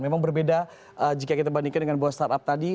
memang berbeda jika kita bandingkan dengan bahwa startup tadi